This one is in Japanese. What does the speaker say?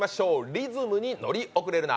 リズムに乗り遅れるな！